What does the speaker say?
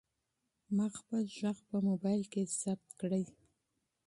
ما خپل غږ په موبایل کې ثبت کړی دی.